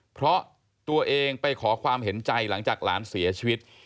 เพราะตัวเองไปขอความเห็นใจหลังจากหลานเสียชีวิต